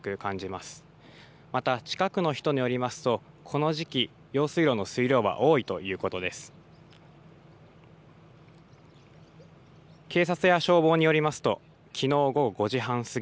また、近くの人によりますと、この時期、用水路の水量は多いということです。